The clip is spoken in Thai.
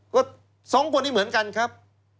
ก็สองคนนี้เหมือนกันครับ